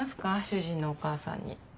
主人のお母さんに。